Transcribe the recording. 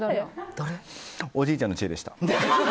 おじいちゃんの知恵でした。